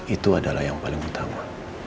itu adalah yang paling utama